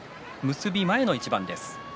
結び前の一番です。